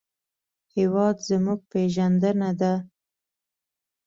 هېواد زموږ پېژندنه ده